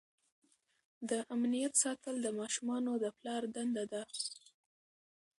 د امنیت ساتل د ماشومانو د پلار دنده ده.